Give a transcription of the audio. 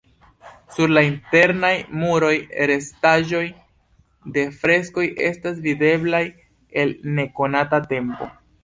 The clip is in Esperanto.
Sur la internaj muroj restaĵoj de freskoj estas videblaj el nekonata tempo.